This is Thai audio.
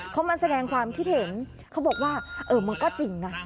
เขามาแสดงความคิดเห็นเขาบอกว่าเออมันก็จริงนะ